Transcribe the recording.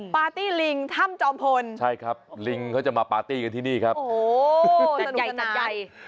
ปาร์ตี้ลิงถ้ำจอมพลใช่ครับลิงเขาจะมาปาร์ตี้กันที่นี่ครับโอ้โหจัดใหญ่จัดใหญ่